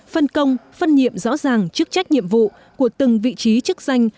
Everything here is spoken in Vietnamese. phân công phân nhiệm rõ ràng chức trách nhiệm vụ của từng vị trí chức danh